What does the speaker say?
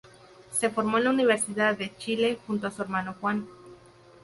Se formó en la Universidad de Chile junto a su hermano Juan.